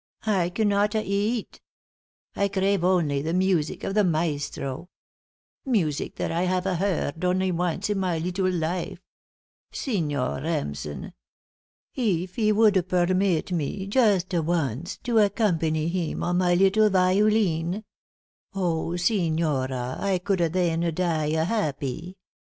I cannot eat. I crave only the music of the maestro music that I hava heard only once in my leetle life. Signor Remsen! Eef he would permeet me justa once to accompany him on my leetle violin oh, signora, I coulda then die happy.